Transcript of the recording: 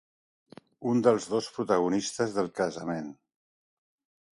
Un dels dos protagonistes del casament.